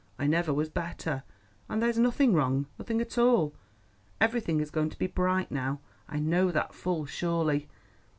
I never was better; and there's nothing wrong, nothing at all. Everything is going to be bright now, I know that full surely."